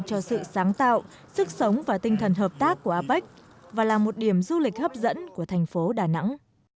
cho sự sáng tạo sức sống và tinh thần hợp tác của apec và là một điểm du lịch hấp dẫn của thành phố đà nẵng